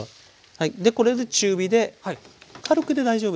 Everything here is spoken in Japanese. はいでこれで中火で軽くで大丈夫です。